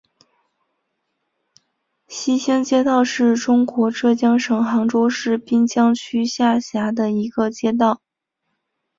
西兴街道是中国浙江省杭州市滨江区下辖的一个街道。